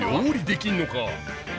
料理できんのか。